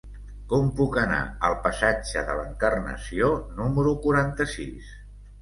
Com puc anar al passatge de l'Encarnació número quaranta-sis?